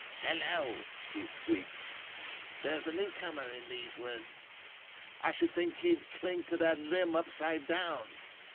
"Hello!" he squeaked. "Here's a newcomer in these woods. I should think he'd cling to that limb upside down.